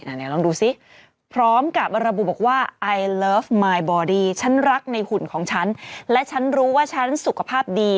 น่ะเนี่ยลองดูซิพร้อมกับระบุบอกว่าฉันรักในหุ่นของฉันและฉันรู้ว่าฉันสุขภาพดี